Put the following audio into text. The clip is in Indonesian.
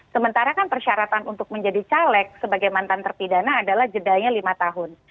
sementara kan persyaratan untuk menjadi caleg sebagai mantan terpidana adalah jedanya lima tahun